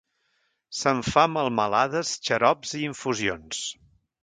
Se'n fa melmelades, xarops i infusions.